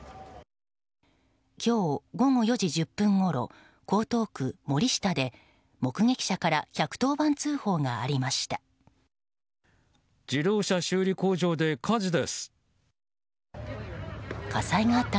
今日午後４時１０分ごろ江東区森下で目撃者から１１０番通報がありました。